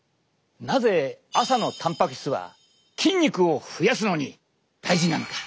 なぜ朝のたんぱく質は筋肉を増やすのに大事なのか？